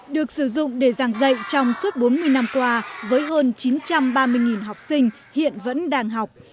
được sử dụng để giảng dạy trong suốt bốn mươi năm qua với hơn chín trăm ba mươi học sinh hiện vẫn đang học